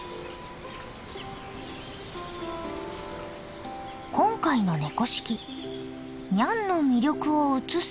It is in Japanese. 今回の「猫識」「ニャンの魅力を写す」でした。